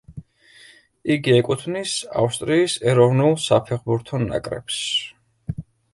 იგი ეკუთვნის ავსტრიის ეროვნულ საფეხბურთო ნაკრებს.